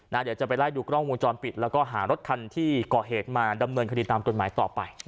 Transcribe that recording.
เดี๋ยวจะไปไล่ดูกล้องวงจรปิดแล้วก็หารถคันที่ก่อเหตุมาดำเนินคดีตามกฎหมายต่อไป